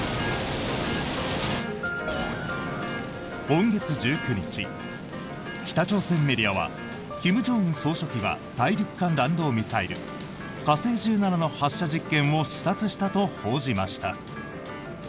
今月１９日、北朝鮮メディアは金正恩総書記が大陸間弾道ミサイル、火星１７の発射実験を視察したと報じました。